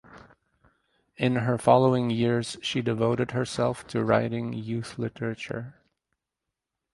In her following years she devoted herself to writing youth literature.